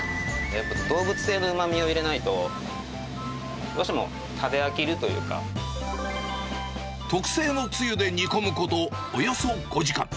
やっぱ動物性のうまみを入れないと、特製のつゆで煮込むことおよそ５時間。